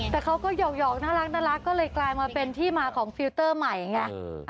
แต่เขาก็หยอกน่ารักก็เลยกลายมาเป็นที่มาของฟิลเตอร์ใหม่ไง